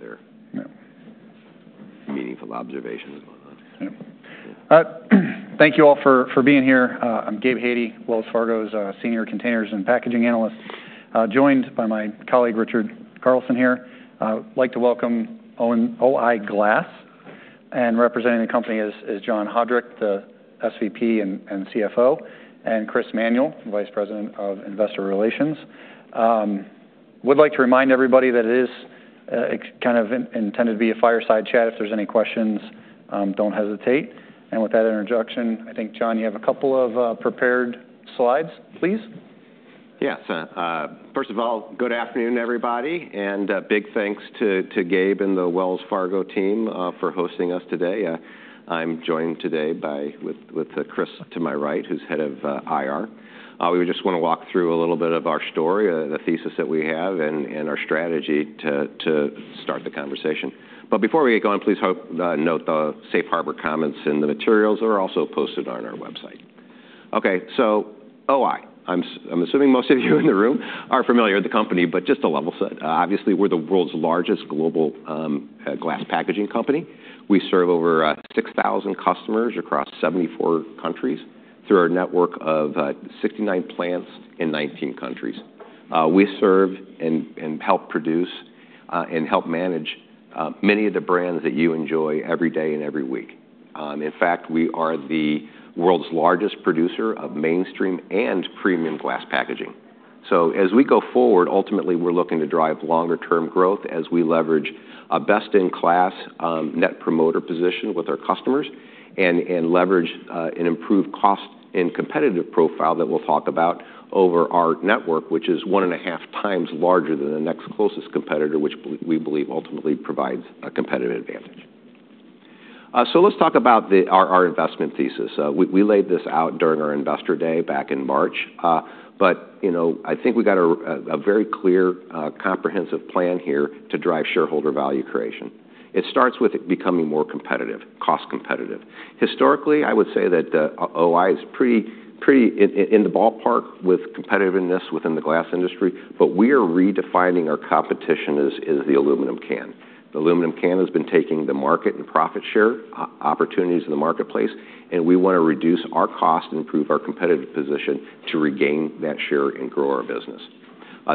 No other meaningful observations going on. Thank you all for being here. I'm Gabe Hadje, Wells Fargo's Senior Containers and Packaging Analyst, joined by my colleague Richard Carlson here. I'd like to welcome O-I Glass. Representing the company is John Haudrich, the SVP and CFO, and Chris Manuel, Vice President of Investor Relations. I would like to remind everybody that it is kind of intended to be a fireside chat. If there's any questions, don't hesitate. With that introduction, I think, John, you have a couple of prepared slides, please. Yes. First of all, good afternoon, everybody. Big thanks to Gabe and the Wells Fargo team for hosting us today. I'm joined today with Chris to my right, who's head of IR. We just want to walk through a little bit of our story, the thesis that we have, and our strategy to start the conversation. Before we get going, please note the Safe Harbor comments in the materials that are also posted on our website. OK, so O-I. I'm assuming most of you in the room are familiar with the company, but just to level set, obviously, we're the world's largest global glass packaging company. We serve over 6,000 customers across 74 countries through our network of 69 plants in 19 countries. We serve and help produce and help manage many of the brands that you enjoy every day and every week. In fact, we are the world's largest producer of mainstream and premium glass packaging. As we go forward, ultimately, we're looking to drive longer-term growth as we leverage a best-in-class Net Promoter Score position with our customers and leverage an improved cost and competitive profile that we'll talk about over our network, which is 1.5 times larger than the next closest competitor, which we believe ultimately provides a competitive advantage. Let's talk about our investment thesis. We laid this out during our investor day back in March. I think we've got a very clear, comprehensive plan here to drive shareholder value creation. It starts with becoming more competitive, cost competitive. Historically, I would say that O-I is pretty in the ballpark with competitiveness within the glass industry. We are redefining our competition as the aluminum can. The aluminum can has been taking the market and profit share opportunities in the marketplace. We want to reduce our cost and improve our competitive position to regain that share and grow our business.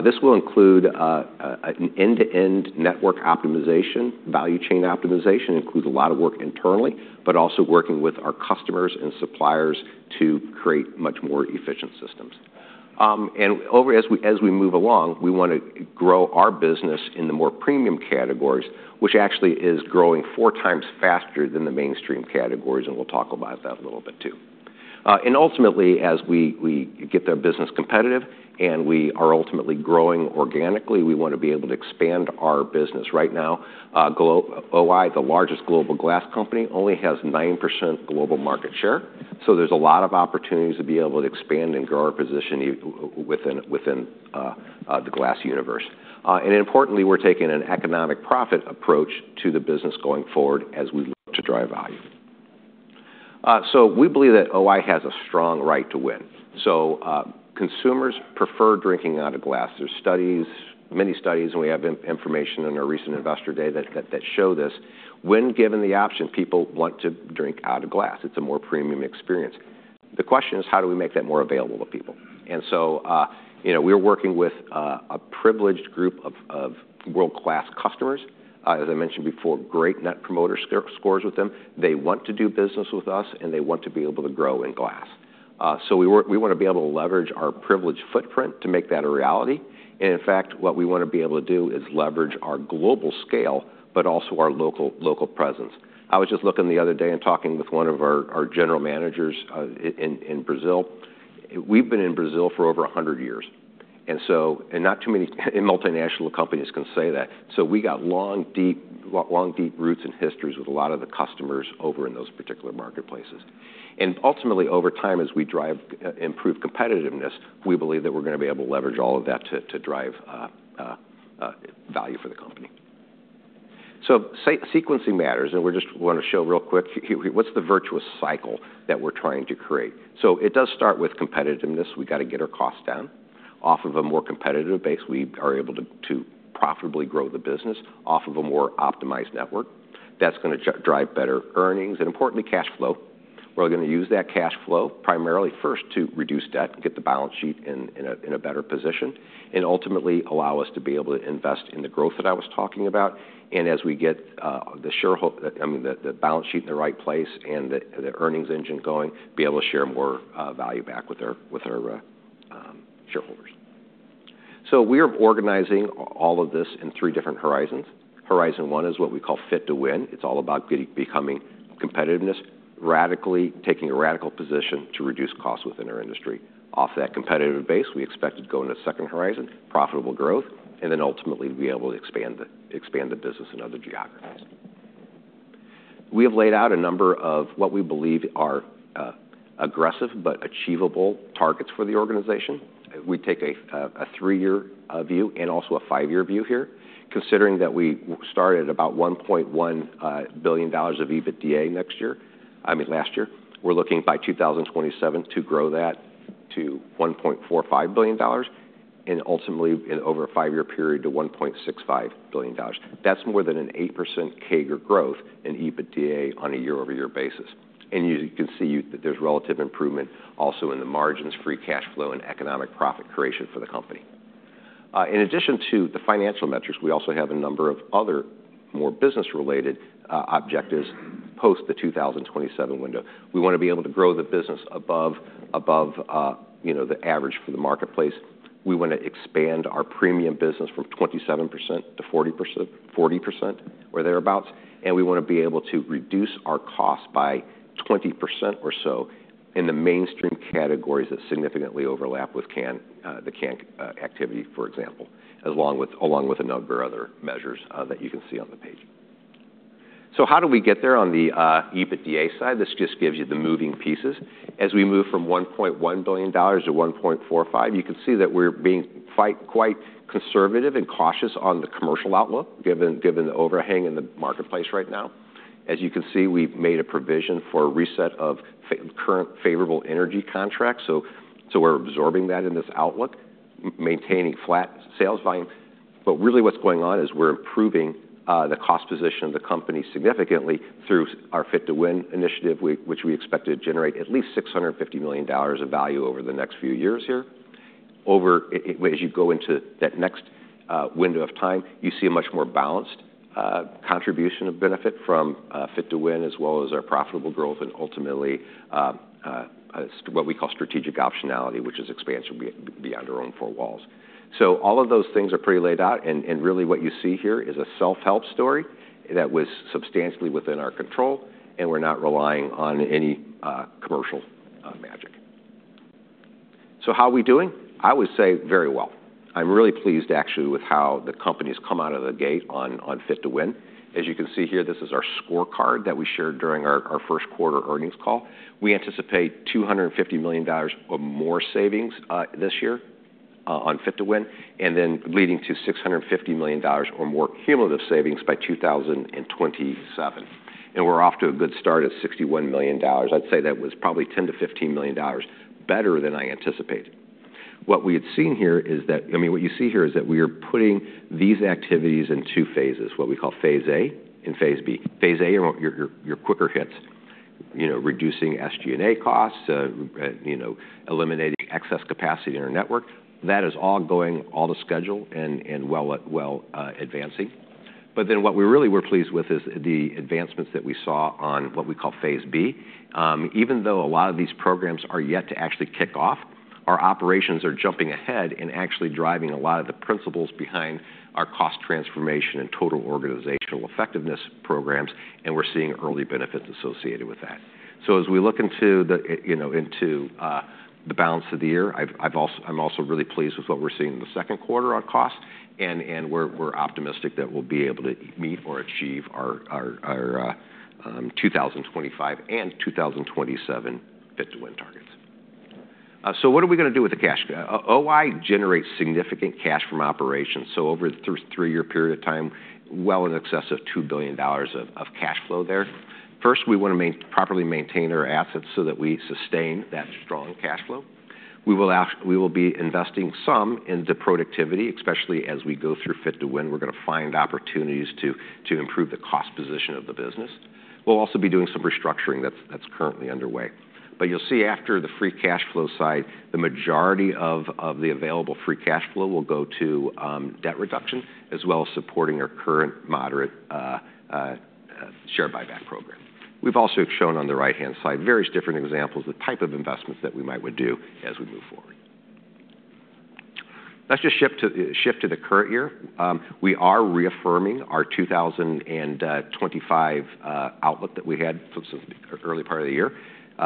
This will include an end-to-end network optimization, value chain optimization. It includes a lot of work internally, but also working with our customers and suppliers to create much more efficient systems. As we move along, we want to grow our business in the more premium categories, which actually is growing four times faster than the mainstream categories. We will talk about that a little bit, too. Ultimately, as we get the business competitive and we are ultimately growing organically, we want to be able to expand our business. Right now, O-I Glass, the largest global glass company, only has 9% global market share. There is a lot of opportunities to be able to expand and grow our position within the glass universe. Importantly, we are taking an economic profit approach to the business going forward as we look to drive value. We believe that O-I has a strong right to win. Consumers prefer drinking out of glass. There are studies, many studies, and we have information in our recent investor day that show this. When given the option, people want to drink out of glass. It is a more premium experience. The question is, how do we make that more available to people? We are working with a privileged group of world-class customers. As I mentioned before, great Net Promoter Scores with them. They want to do business with us, and they want to be able to grow in glass. We want to be able to leverage our privileged footprint to make that a reality. In fact, what we want to be able to do is leverage our global scale, but also our local presence. I was just looking the other day and talking with one of our general managers in Brazil. We've been in Brazil for over 100 years. Not too many multinational companies can say that. We've got long, deep roots and histories with a lot of the customers over in those particular marketplaces. Ultimately, over time, as we drive improved competitiveness, we believe that we're going to be able to leverage all of that to drive value for the company. Sequencing matters. We just want to show real quick what's the virtuous cycle that we're trying to create. It does start with competitiveness. We've got to get our costs down. Off of a more competitive base, we are able to profitably grow the business off of a more optimized network. That is going to drive better earnings. Importantly, cash flow. We are going to use that cash flow primarily first to reduce debt, get the balance sheet in a better position, and ultimately allow us to be able to invest in the growth that I was talking about. As we get the balance sheet in the right place and the earnings engine going, be able to share more value back with our shareholders. We are organizing all of this in three different horizons. Horizon one is what we call Fit to Win. It is all about becoming competitive, radically taking a radical position to reduce costs within our industry. Off that competitive base, we expect to go into the second horizon, profitable growth, and then ultimately be able to expand the business in other geographies. We have laid out a number of what we believe are aggressive but achievable targets for the organization. We take a three-year view and also a five-year view here. Considering that we started at about $1.1 billion of EBITDA last year, we're looking by 2027 to grow that to $1.45 billion and ultimately in over a five-year period to $1.65 billion. That's more than an 8% CAGR growth in EBITDA on a year-over-year basis. You can see that there's relative improvement also in the margins, free cash flow, and economic profit creation for the company. In addition to the financial metrics, we also have a number of other more business-related objectives post the 2027 window. We want to be able to grow the business above the average for the marketplace. We want to expand our premium business from 27% to 40%, 40% or thereabouts. We want to be able to reduce our cost by 20% or so in the mainstream categories that significantly overlap with the can activity, for example, along with a number of other measures that you can see on the page. How do we get there on the EBITDA side? This just gives you the moving pieces. As we move from $1.1 billion to $1.45 billion, you can see that we're being quite conservative and cautious on the commercial outlook given the overhang in the marketplace right now. As you can see, we've made a provision for a reset of current favorable energy contracts. We're absorbing that in this outlook, maintaining flat sales volume. Really what's going on is we're improving the cost position of the company significantly through our Fit to Win initiative, which we expect to generate at least $650 million of value over the next few years here. As you go into that next window of time, you see a much more balanced contribution of benefit from Fit to Win as well as our profitable growth and ultimately what we call strategic optionality, which is expansion beyond our own four walls. All of those things are pretty laid out. Really what you see here is a self-help story that was substantially within our control. We're not relying on any commercial magic. How are we doing? I would say very well. I'm really pleased, actually, with how the company has come out of the gate on Fit to Win. As you can see here, this is our scorecard that we shared during our first quarter earnings call. We anticipate $250 million or more savings this year on Fit to Win, and then leading to $650 million or more cumulative savings by 2027. We're off to a good start at $61 million. I'd say that was probably $10 million-$15 million better than I anticipated. What you see here is that we are putting these activities in two phases, what we call phase A and phase B. Phase A are your quicker hits, reducing SG&A costs, eliminating excess capacity in our network. That is all going to schedule and well advancing. What we really were pleased with is the advancements that we saw on what we call phase B. Even though a lot of these programs are yet to actually kick off, our operations are jumping ahead and actually driving a lot of the principles behind our cost transformation and total organizational effectiveness programs. We're seeing early benefits associated with that. As we look into the balance of the year, I'm also really pleased with what we're seeing in the second quarter on cost. We're optimistic that we'll be able to meet or achieve our 2025 and 2027 Fit to Win targets. What are we going to do with the cash? O-I generates significant cash from operations. Over the first three-year period of time, well in excess of $2 billion of cash flow there. First, we want to properly maintain our assets so that we sustain that strong cash flow. We will be investing some into productivity, especially as we go through Fit to Win. We're going to find opportunities to improve the cost position of the business. We'll also be doing some restructuring that's currently underway. You'll see after the free cash flow side, the majority of the available free cash flow will go to debt reduction as well as supporting our current moderate share buyback program. We've also shown on the right-hand side various different examples of the type of investments that we might do as we move forward. Let's just shift to the current year. We are reaffirming our 2025 outlook that we had since the early part of the year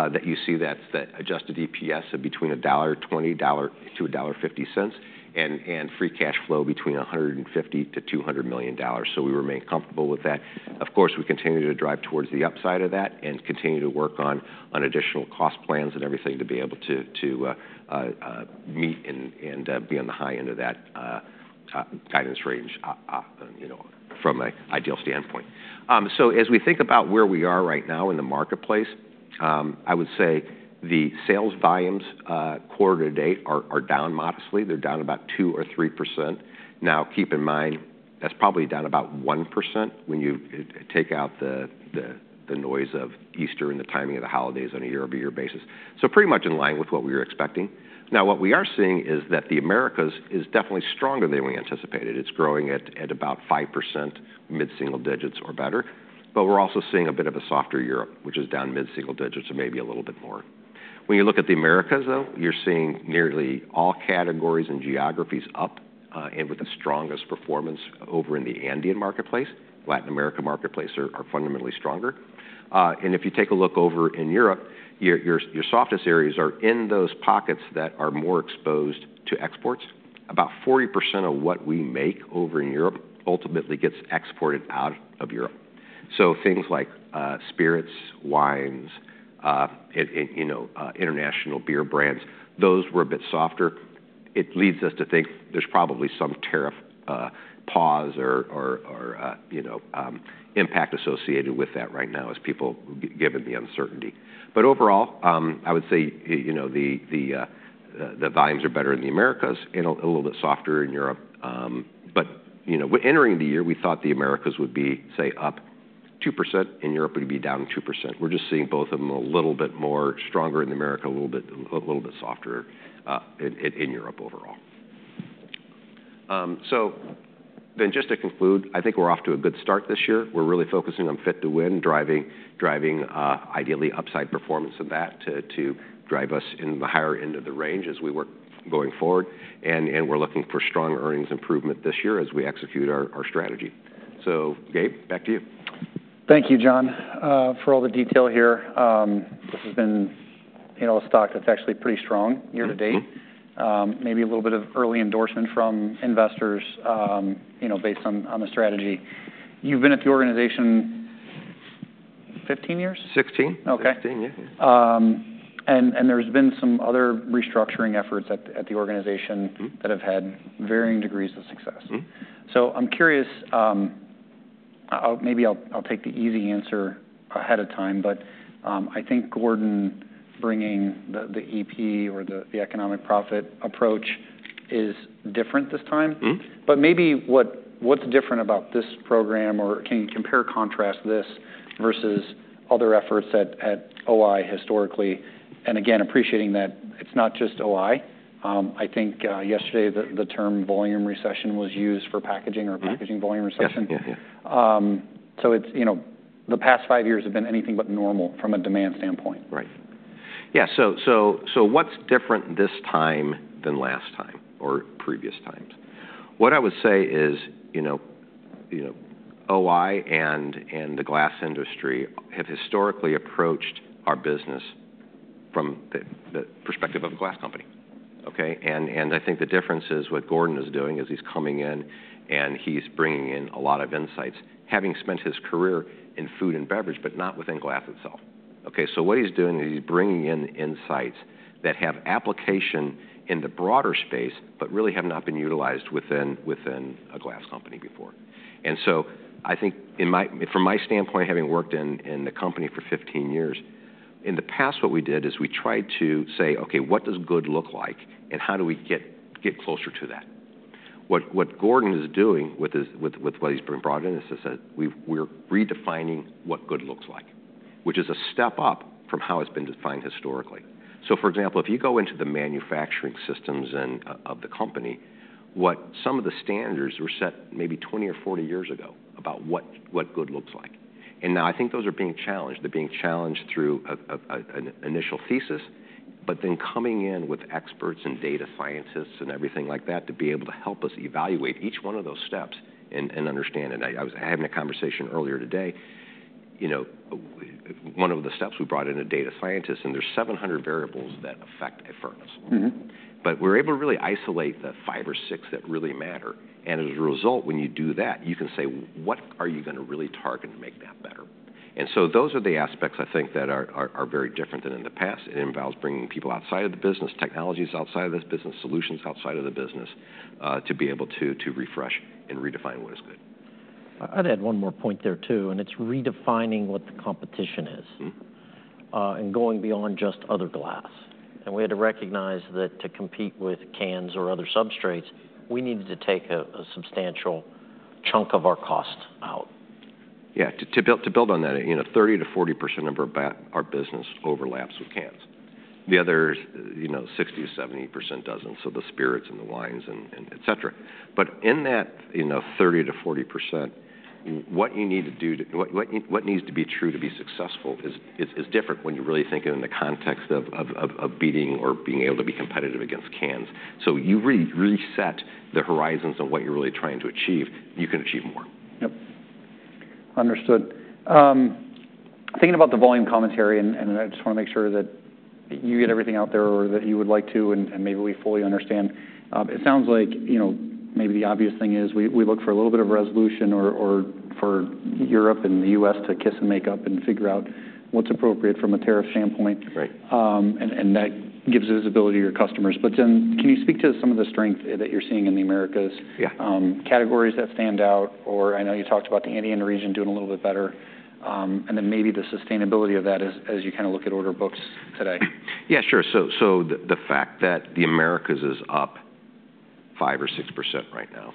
that you see that adjusted EPS of between $1.20-$1.50 and free cash flow between $150 million-$200 million. We remain comfortable with that. Of course, we continue to drive towards the upside of that and continue to work on additional cost plans and everything to be able to meet and be on the high end of that guidance range from an ideal standpoint. As we think about where we are right now in the marketplace, I would say the sales volumes quarter to date are down modestly. They're down about 2% or 3%. Now, keep in mind, that's probably down about 1% when you take out the noise of Easter and the timing of the holidays on a year-over-year basis. Pretty much in line with what we were expecting. What we are seeing is that the Americas is definitely stronger than we anticipated. It's growing at about 5%, mid-single digits or better. We're also seeing a bit of a softer Europe, which is down mid-single digits or maybe a little bit more. When you look at the Americas, though, you're seeing nearly all categories and geographies up and with the strongest performance over in the Andean marketplace. Latin America marketplace are fundamentally stronger. If you take a look over in Europe, your softest areas are in those pockets that are more exposed to exports. About 40% of what we make over in Europe ultimately gets exported out of Europe. Things like spirits, wines, international beer brands, those were a bit softer. It leads us to think there's probably some tariff pause or impact associated with that right now as people given the uncertainty. Overall, I would say the volumes are better in the Americas and a little bit softer in Europe. Entering the year, we thought the Americas would be, say, up 2%. In Europe, it would be down 2%. We are just seeing both of them a little bit more stronger in the Americas, a little bit softer in Europe overall. To conclude, I think we are off to a good start this year. We are really focusing on Fit to Win, driving ideally upside performance of that to drive us in the higher end of the range as we work going forward. We are looking for strong earnings improvement this year as we execute our strategy. Gabe, back to you. Thank you, John, for all the detail here. This has been a stock that's actually pretty strong year to date. Maybe a little bit of early endorsement from investors based on the strategy. You've been at the organization 15 years? 16. Okay. 16, yeah. There have been some other restructuring efforts at the organization that have had varying degrees of success. I'm curious, maybe I'll take the easy answer ahead of time, but I think Gordon bringing the EP or the economic profit approach is different this time. Maybe what's different about this program, or can you compare and contrast this versus other efforts at O-I historically? Again, appreciating that it's not just O-I. I think yesterday the term volume recession was used for packaging or packaging volume recession. The past five years have been anything but normal from a demand standpoint. Right. Yeah. What is different this time than last time or previous times? What I would say is O-I and the glass industry have historically approached our business from the perspective of a glass company. Okay? I think the difference is what Gordon is doing is he is coming in and he is bringing in a lot of insights, having spent his career in food and beverage, but not within glass itself. Okay? What he is doing is he is bringing in insights that have application in the broader space, but really have not been utilized within a glass company before. I think from my standpoint, having worked in the company for 15 years, in the past, what we did is we tried to say, "Okay, what does good look like? How do we get closer to that? What Gordon is doing with what he's been brought in is he says we're redefining what good looks like, which is a step up from how it's been defined historically. For example, if you go into the manufacturing systems of the company, some of the standards were set maybe 20 years or 40 years ago about what good looks like. Now I think those are being challenged. They're being challenged through an initial thesis, but then coming in with experts and data scientists and everything like that to be able to help us evaluate each one of those steps and understand it. I was having a conversation earlier today. One of the steps, we brought in a data scientist, and there are 700 variables that affect a furnace. We're able to really isolate the five or six that really matter. As a result, when you do that, you can say, "What are you going to really target to make that better?" Those are the aspects I think that are very different than in the past. It involves bringing people outside of the business, technologies outside of this business, solutions outside of the business to be able to refresh and redefine what is good. I'd add one more point there too. It is redefining what the competition is and going beyond just other glass. We had to recognize that to compete with cans or other substrates, we needed to take a substantial chunk of our cost out. Yeah. To build on that, 30%-40% of our business overlaps with cans. The other 60%-70% does not. The spirits and the wines, etc. In that 30%-40%, what you need to do, what needs to be true to be successful is different when you really think in the context of beating or being able to be competitive against cans. You reset the horizons on what you are really trying to achieve, you can achieve more. Yep. Understood. Thinking about the volume commentary, and I just want to make sure that you get everything out there or that you would like to, and maybe we fully understand. It sounds like maybe the obvious thing is we look for a little bit of resolution or for Europe and the U.S. to kiss and make up and figure out what's appropriate from a tariff standpoint. That gives visibility to your customers. Can you speak to some of the strength that you're seeing in the Americas? Yeah. Categories that stand out, or I know you talked about the Andean region doing a little bit better. Then maybe the sustainability of that as you kind of look at order books today. Yeah, sure. The fact that the Americas is up 5% or 6% right now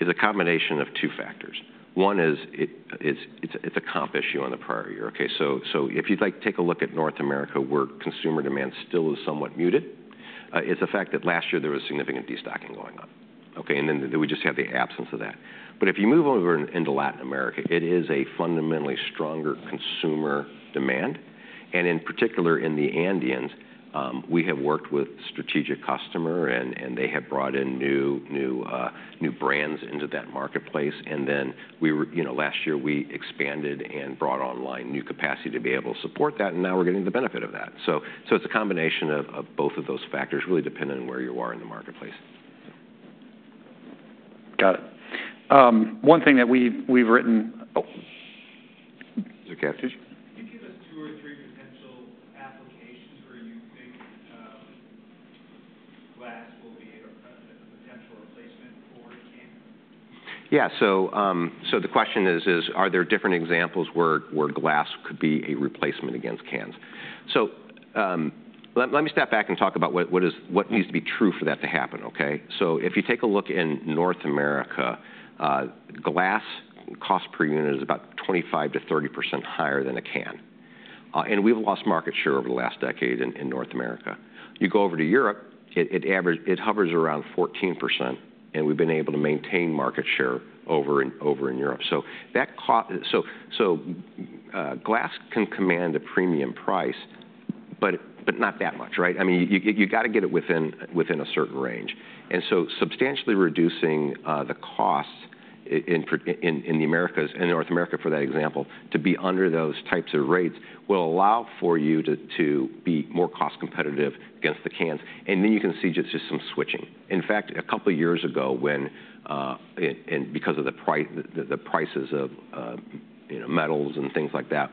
is a combination of two factors. One is it's a comp issue on the prior year. Okay? If you'd like to take a look at North America, where consumer demand still is somewhat muted, it's the fact that last year there was significant destocking going on. Okay? We just have the absence of that. If you move over into Latin America, it is a fundamentally stronger consumer demand. In particular, in the Andean region, we have worked with a strategic customer, and they have brought in new brands into that marketplace. Last year, we expanded and brought online new capacity to be able to support that. Now we're getting the benefit of that. It's a combination of both of those factors really depending on where you are in the marketplace. Got it. One thing that we've written. Oh. Is there a gas station? Can you give us two or three potential applications where you think glass will be a potential replacement for cans? Yeah. The question is, are there different examples where glass could be a replacement against cans? Let me step back and talk about what needs to be true for that to happen. Okay? If you take a look in North America, glass cost per unit is about 25%-30% higher than a can. We have lost market share over the last decade in North America. You go over to Europe, it hovers around 14%. We have been able to maintain market share over in Europe. Glass can command a premium price, but not that much, right? I mean, you have to get it within a certain range. Substantially reducing the costs in the Americas and North America, for that example, to be under those types of rates will allow for you to be more cost competitive against the cans. You can see just some switching. In fact, a couple of years ago, because of the prices of metals and things like that,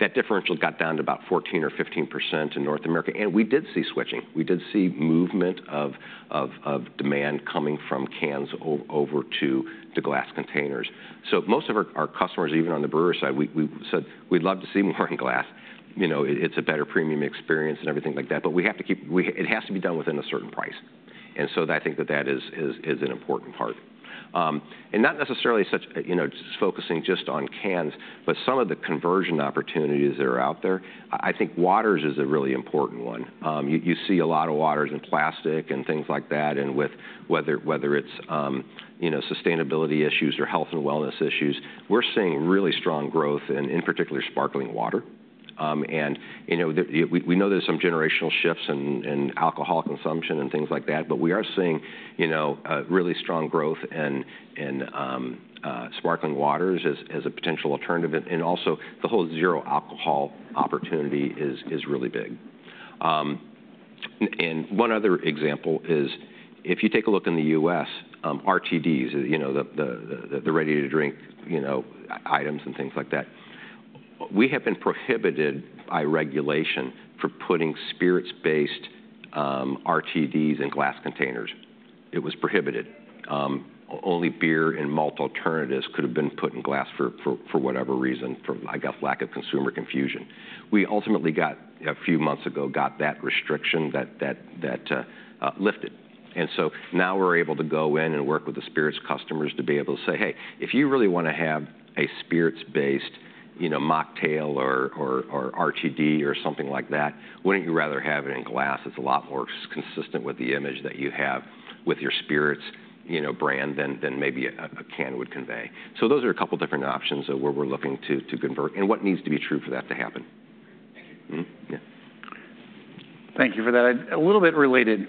that differential got down to about 14% or 15% in North America. We did see switching. We did see movement of demand coming from cans over to glass containers. Most of our customers, even on the brewery side, said, "We'd love to see more in glass. It's a better premium experience and everything like that." We have to keep it has to be done within a certain price. I think that is an important part. Not necessarily focusing just on cans, but some of the conversion opportunities that are out there. I think waters is a really important one. You see a lot of waters in plastic and things like that. Whether it's sustainability issues or health and wellness issues, we're seeing really strong growth in particular sparkling water. We know there's some generational shifts in alcohol consumption and things like that, but we are seeing really strong growth in sparkling waters as a potential alternative. Also, the whole zero alcohol opportunity is really big. One other example is if you take a look in the U.S., RTDs, the ready-to-drink items and things like that, we have been prohibited by regulation for putting spirits-based RTDs in glass containers. It was prohibited. Only beer and malt alternatives could have been put in glass for whatever reason from, I guess, lack of consumer confusion. We ultimately got a few months ago, got that restriction lifted. Now we're able to go in and work with the spirits customers to be able to say, "Hey, if you really want to have a spirits-based mocktail or RTD or something like that, would not you rather have it in glass? It's a lot more consistent with the image that you have with your spirits brand than maybe a can would convey." Those are a couple of different options where we're looking to convert and what needs to be true for that to happen. Thank you. Thank you for that. A little bit related,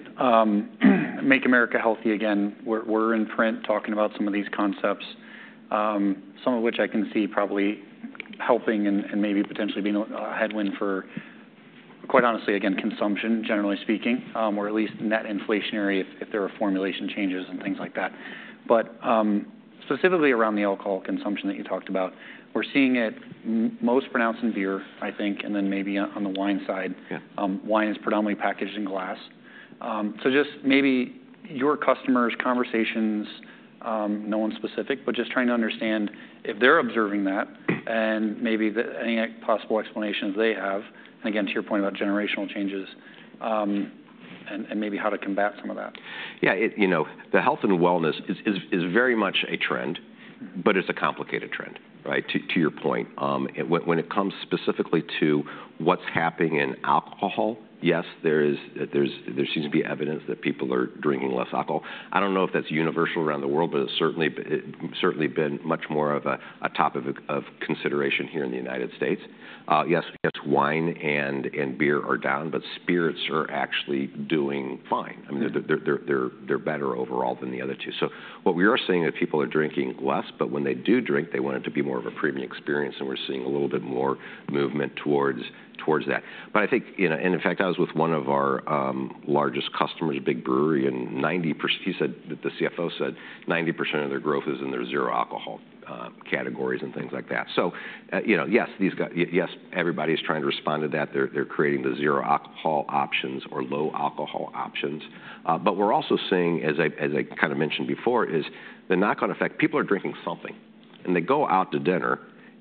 Make America Healthy again, we're in print talking about some of these concepts, some of which I can see probably helping and maybe potentially being a headwind for, quite honestly, again, consumption, generally speaking, or at least net inflationary if there are formulation changes and things like that. Specifically around the alcohol consumption that you talked about, we're seeing it most pronounced in beer, I think, and then maybe on the wine side. Wine is predominantly packaged in glass. Just maybe your customers' conversations, no one specific, but just trying to understand if they're observing that and maybe any possible explanations they have. Again, to your point about generational changes and maybe how to combat some of that. Yeah. The health and wellness is very much a trend, but it's a complicated trend, right, to your point. When it comes specifically to what's happening in alcohol, yes, there seems to be evidence that people are drinking less alcohol. I don't know if that's universal around the world, but it's certainly been much more of a topic of consideration here in the United States Yes, wine and beer are down, but spirits are actually doing fine. I mean, they're better overall than the other two. What we are seeing is people are drinking less, but when they do drink, they want it to be more of a premium experience. We're seeing a little bit more movement towards that. I think, and in fact, I was with one of our largest customers, a big brewery, and 90%, he said that the CFO said 90% of their growth is in their zero alcohol categories and things like that. Yes, everybody's trying to respond to that. They're creating the zero alcohol options or low alcohol options. We're also seeing, as I kind of mentioned before, the knock-on effect. People are drinking something. They go out to dinner,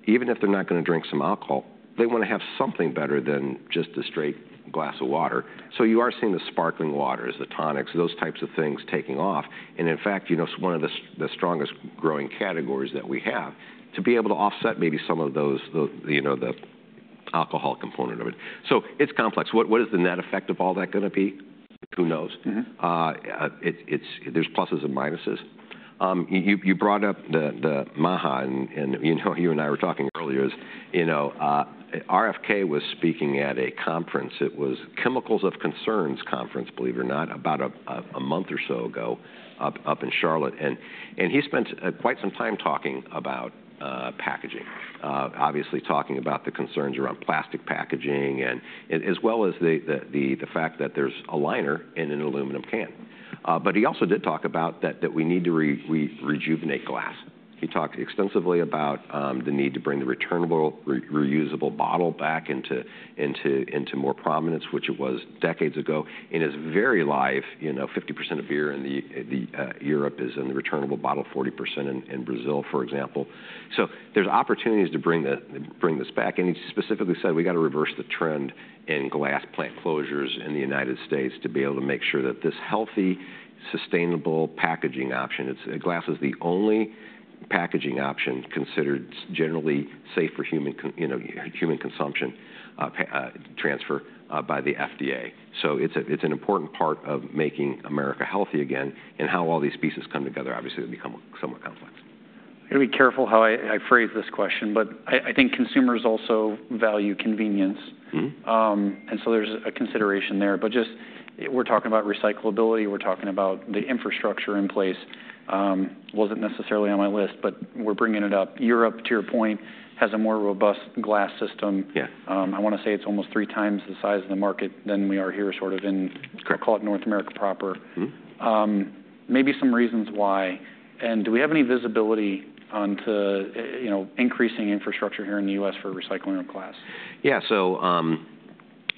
even if they're not going to drink some alcohol, they want to have something better than just a straight glass of water. You are seeing the sparkling waters, the tonics, those types of things taking off. In fact, one of the strongest growing categories that we have to be able to offset maybe some of the alcohol component of it. It's complex. What is the net effect of all that going to be? Who knows? There's pluses and minuses. You brought up the MAHA, and you and I were talking earlier. RFK was speaking at a conference. It was Chemicals of Concerns Conference, believe it or not, about a month or so ago up in Charlotte. He spent quite some time talking about packaging, obviously talking about the concerns around plastic packaging, as well as the fact that there's a liner in an aluminum can. He also did talk about that we need to rejuvenate glass. He talked extensively about the need to bring the returnable, reusable bottle back into more prominence, which it was decades ago. In his very life, 50% of beer in Europe is in the returnable bottle, 40% in Brazil, for example. There's opportunities to bring this back. He specifically said, "We got to reverse the trend in glass plant closures in the United States to be able to make sure that this healthy, sustainable packaging option, glass is the only packaging option considered generally safe for human consumption transfer by the FDA." It is an important part of making America healthy again. How all these pieces come together, obviously, will become somewhat complex. I'm going to be careful how I phrase this question, but I think consumers also value convenience. There is a consideration there. Just, we're talking about recyclability. We're talking about the infrastructure in place. Wasn't necessarily on my list, but we're bringing it up. Europe, to your point, has a more robust glass system. I want to say it's almost three times the size of the market than we are here, sort of in, I'll call it North America proper. Maybe some reasons why. Do we have any visibility onto increasing infrastructure here in the U.S. for recycling of glass? Yeah.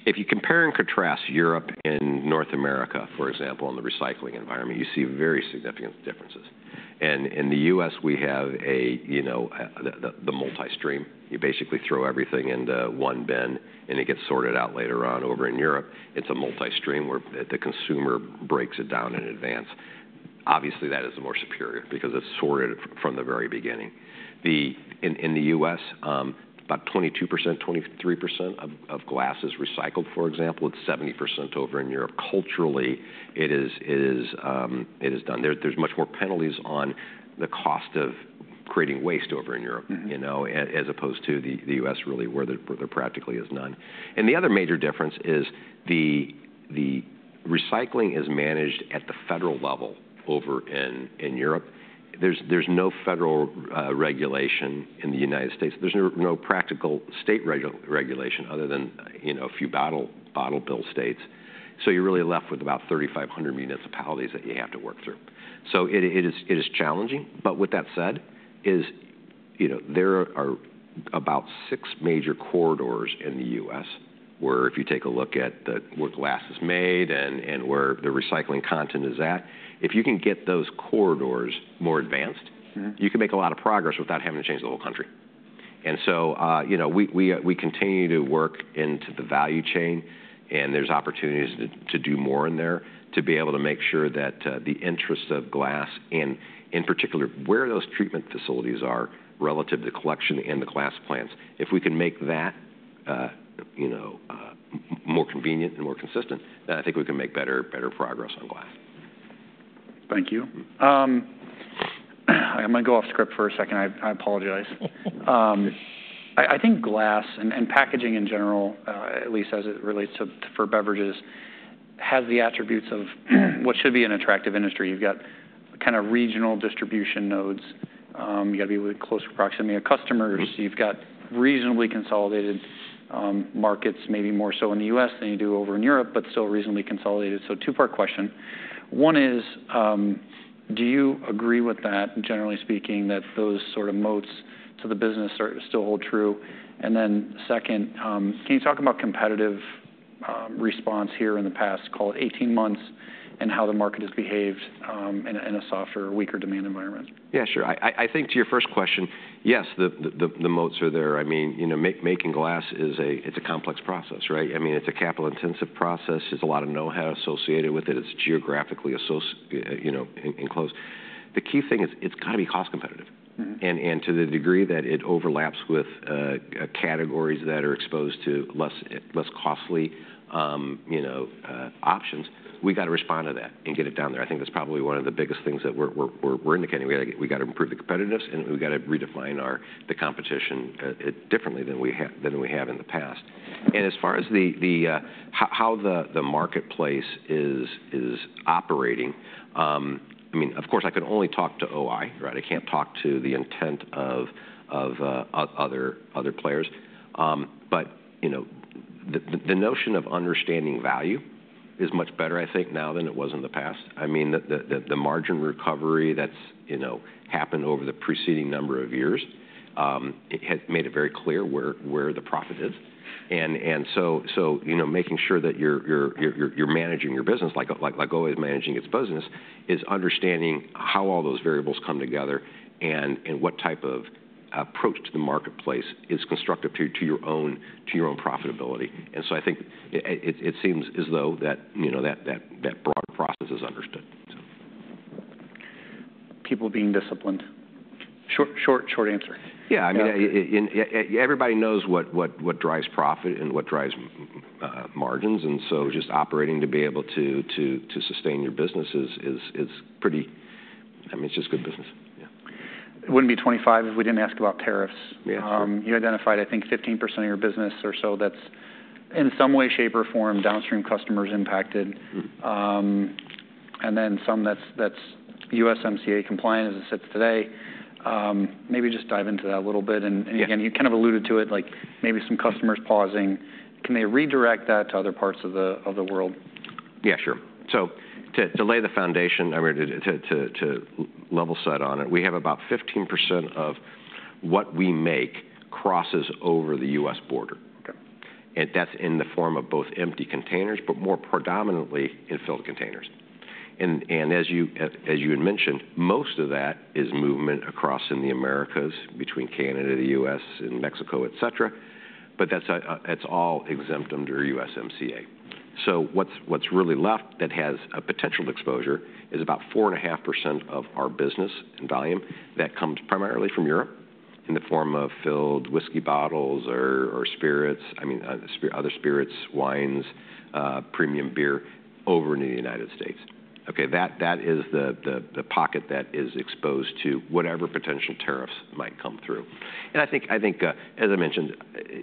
If you compare and contrast Europe and North America, for example, in the recycling environment, you see very significant differences. In the U.S., we have the multi-stream. You basically throw everything into one bin, and it gets sorted out later on. Over in Europe, it's a multi-stream where the consumer breaks it down in advance. Obviously, that is the more superior because it's sorted from the very beginning. In the U.S., about 22%-23% of glass is recycled, for example. It's 70% over in Europe. Culturally, it is done. There's much more penalties on the cost of creating waste over in Europe as opposed to the U.S., really, where there practically is none. The other major difference is the recycling is managed at the federal level over in Europe. There's no federal regulation in the United States. There is no practical state regulation other than a few bottle bill states. You are really left with about 3,500 municipalities that you have to work through. It is challenging. With that said, there are about six major corridors in the U.S. where if you take a look at where glass is made and where the recycling content is at, if you can get those corridors more advanced, you can make a lot of progress without having to change the whole country. We continue to work into the value chain, and there are opportunities to do more in there to be able to make sure that the interest of glass, and in particular, where those treatment facilities are relative to the collection and the glass plants, if we can make that more convenient and more consistent, then I think we can make better progress on glass. Thank you. I'm going to go off script for a second. I apologize. I think glass and packaging in general, at least as it relates to beverages, has the attributes of what should be an attractive industry. You've got kind of regional distribution nodes. You got to be close proximity of customers. You've got reasonably consolidated markets, maybe more so in the U.S. than you do over in Europe, but still reasonably consolidated. Two-part question. One is, do you agree with that, generally speaking, that those sort of moats to the business still hold true? Then second, can you talk about competitive response here in the past, call it 18 months, and how the market has behaved in a softer, weaker demand environment? Yeah, sure. I think to your first question, yes, the moats are there. I mean, making glass, it's a complex process, right? I mean, it's a capital-intensive process. There's a lot of know-how associated with it. It's geographically enclosed. The key thing is it's got to be cost competitive. To the degree that it overlaps with categories that are exposed to less costly options, we got to respond to that and get it down there. I think that's probably one of the biggest things that we're indicating. We got to improve the competitiveness, and we got to redefine the competition differently than we have in the past. As far as how the marketplace is operating, I mean, of course, I can only talk to O-I, right? I can't talk to the intent of other players. The notion of understanding value is much better, I think, now than it was in the past. I mean, the margin recovery that's happened over the preceding number of years has made it very clear where the profit is. Making sure that you're managing your business, like O-I is managing its business, is understanding how all those variables come together and what type of approach to the marketplace is constructive to your own profitability. I think it seems as though that broader process is understood. People being disciplined. Short answer. Yeah. I mean, everybody knows what drives profit and what drives margins. Just operating to be able to sustain your business is pretty, I mean, it's just good business. It would not be 2025 if we did not ask about tariffs. You identified, I think, 15% of your business or so that is in some way, shape, or form downstream customers impacted. Then some that is USMCA compliant as it sits today. Maybe just dive into that a little bit. Again, you kind of alluded to it, like maybe some customers pausing. Can they redirect that to other parts of the world? Yeah, sure. To lay the foundation, I mean, to level set on it, we have about 15% of what we make crosses over the U.S. border. That is in the form of both empty containers, but more predominantly in filled containers. As you had mentioned, most of that is movement across in the Americas between Canada, the U.S., and Mexico, etc. That is all exempt under USMCA. What is really left that has a potential exposure is about 4.5% of our business in volume that comes primarily from Europe in the form of filled whiskey bottles or spirits, I mean, other spirits, wines, premium beer over in the United States. That is the pocket that is exposed to whatever potential tariffs might come through. I think, as I mentioned,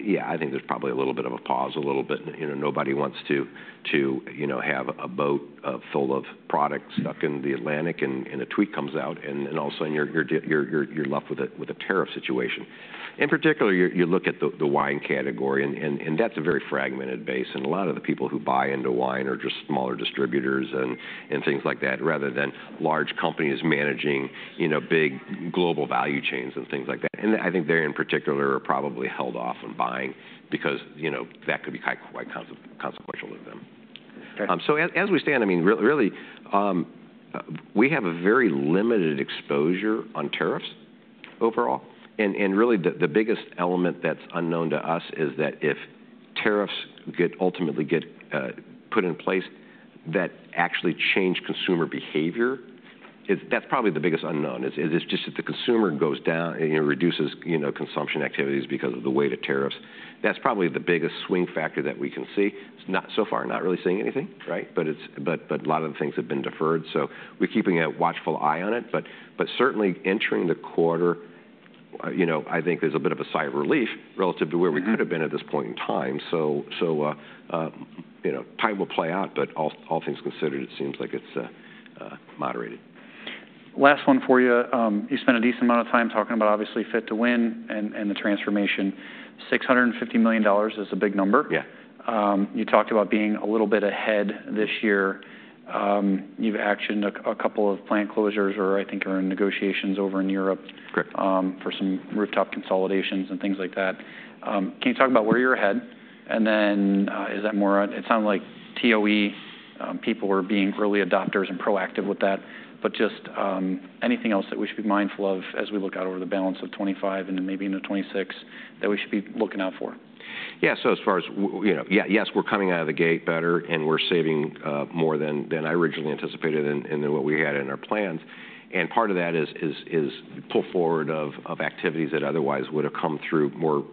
yeah, I think there is probably a little bit of a pause, a little bit. Nobody wants to have a boat full of product stuck in the Atlantic and a tweet comes out, and all of a sudden you're left with a tariff situation. In particular, you look at the wine category, and that's a very fragmented base. A lot of the people who buy into wine are just smaller distributors and things like that, rather than large companies managing big global value chains and things like that. I think they, in particular, are probably held off on buying because that could be quite consequential to them. As we stand, I mean, really, we have a very limited exposure on tariffs overall. Really, the biggest element that's unknown to us is that if tariffs ultimately get put in place that actually change consumer behavior, that's probably the biggest unknown. It's just that the consumer goes down, reduces consumption activities because of the weight of tariffs. That's probably the biggest swing factor that we can see. So far, not really seeing anything, right? But a lot of the things have been deferred. We're keeping a watchful eye on it. Certainly, entering the quarter, I think there's a bit of a sigh of relief relative to where we could have been at this point in time. Time will play out, but all things considered, it seems like it's moderated. Last one for you. You spent a decent amount of time talking about, obviously, Fit to Win and the transformation. $650 million is a big number. You talked about being a little bit ahead this year. You have actioned a couple of plant closures, or I think you are in negotiations over in Europe for some rooftop consolidations and things like that. Can you talk about where you are ahead? Is that more on, it sounded like TOE people were being early adopters and proactive with that. Just anything else that we should be mindful of as we look out over the balance of 2025 and then maybe into 2026 that we should be looking out for? Yeah. As far as, yes, we're coming out of the gate better, and we're saving more than I originally anticipated and than what we had in our plans. Part of that is pull forward of activities that otherwise would have come through more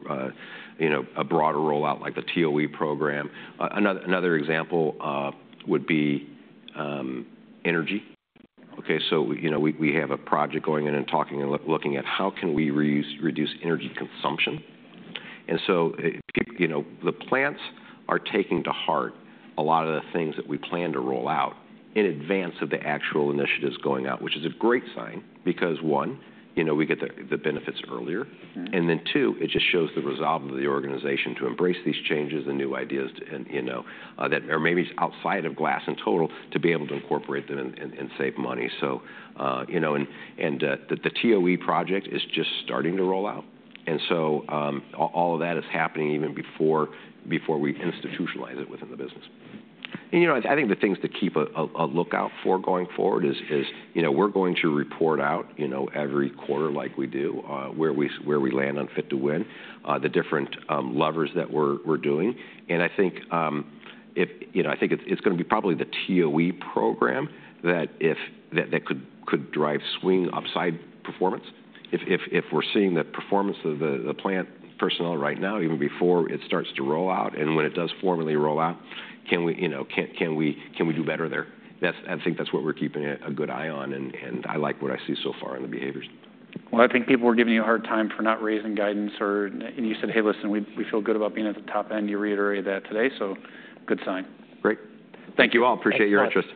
a broader rollout like the TOE program. Another example would be energy. Okay. We have a project going in and talking and looking at how can we reduce energy consumption. The plants are taking to heart a lot of the things that we plan to roll out in advance of the actual initiatives going out, which is a great sign because, one, we get the benefits earlier. Two, it just shows the resolve of the organization to embrace these changes and new ideas that are maybe outside of glass in total to be able to incorporate them and save money. The TOE project is just starting to roll out. All of that is happening even before we institutionalize it within the business. I think the things to keep a lookout for going forward are we are going to report out every quarter like we do where we land on Fit to Win, the different levers that we are doing. I think it is going to be probably the TOE program that could drive swing upside performance. If we are seeing the performance of the plant personnel right now, even before it starts to roll out, and when it does formally roll out, can we do better there? I think that is what we are keeping a good eye on. I like what I see so far in the behaviors. I think people were giving you a hard time for not raising guidance. You said, "Hey, listen, we feel good about being at the top end." You reiterated that today. Good sign. Great. Thank you all. Appreciate your interest.